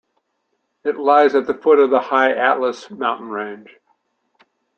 It lies at the foot of the High Atlas mountain range.